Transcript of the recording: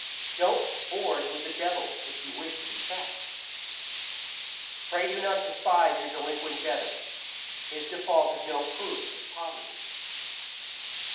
Don't board with the devil if you wish to be fat. Pray do not despise your delinquent debtor; his default is no proof of poverty.